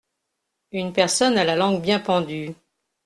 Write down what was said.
Une personne à la langue bien pendue.